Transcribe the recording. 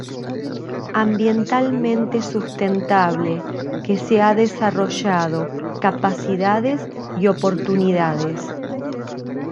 Ambientalmente sustentable que se ha desarrollado capacidades y oportunidades.